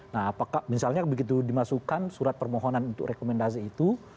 nah apakah misalnya begitu dimasukkan surat permohonan untuk rekomendasi itu